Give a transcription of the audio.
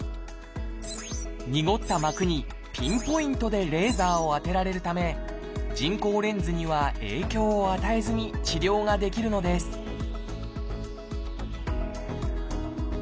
にごった膜にピンポイントでレーザーを当てられるため人工レンズには影響を与えずに治療ができるのです後発